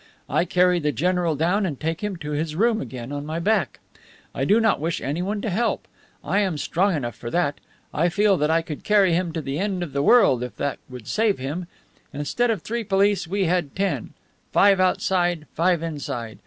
I carry the general down and take him to his room again on my back. I do not wish anyone to help. I am strong enough for that. I feel that I could carry him to the end of the world if that would save him. Instead of three police, we had ten; five outside, five inside.